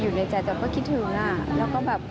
อยู่ในใจแต่ก็คิดถึงอ่ะแล้วก็แบบ